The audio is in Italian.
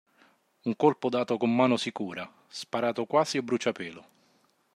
Un colpo dato con mano sicura, sparato quasi a bruciapelo.